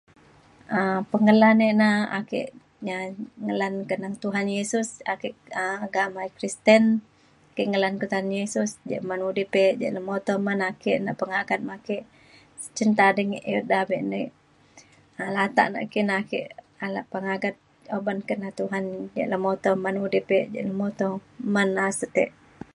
pengelan ina ake nya- ngelang keneng Tuhan Yesus ake agama Kristen ake ngelang Tuhan Yesus je man udip e ja uman ake nak pengagat me ake cin tading ida abe nei latak naki na ake alak uban kerana Tuhan e nemuto udip e nemuto men aset e